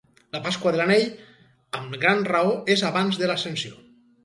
La Pasqua de l'anyell, amb gran raó és abans de l'Ascensió.